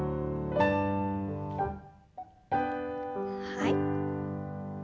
はい。